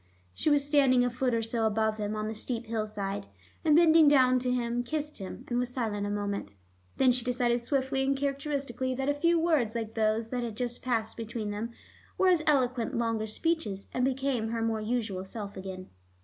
She was standing a foot or so above him, on the steep hillside, and bending down to him, kissed him, and was silent a moment. Then she decided swiftly and characteristically that a few words like those that had just passed between them were as eloquent as longer speeches, and became her more usual self again.